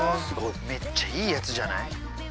めっちゃいいやつじゃない？